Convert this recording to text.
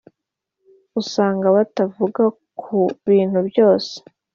usanga batavugana ku bintu byose